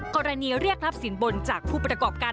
อครอนีเรียกรับศิลป์บนจากผู้ประกอบการ